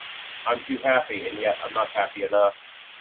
I’m too happy; and yet I’m not happy enough.